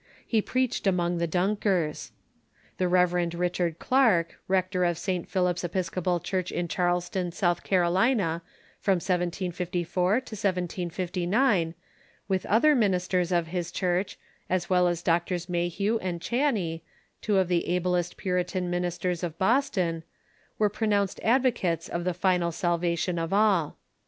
He preached among tlie Dunkers. The Rev. Richard Clarke, rectoi' of St. Philip's Episcopal Church in Charleston, South Carolina, from 1754 to 1759, with other ministers of his Church, as well as Drs. Mayhew and Chauncy, two of the ablest Puritan minis ters of Boston, wei'e pronounced advocates of the final salva tion of all.